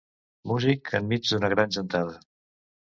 Músic enmig d'una gran gentada.